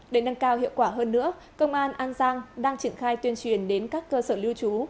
để nâng cao hiệu quả hơn nữa công an an giang đang triển khai tuyên truyền đến các cơ sở lưu trú